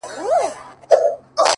خال دې په خيالونو کي راونغاړه _